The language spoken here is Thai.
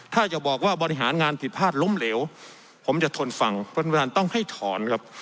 ถ้าจะบอกว่าบริหารงานผิดพลาดล้มเหลวผมจะทนฟังท่านประธานต้องให้ถอนครับ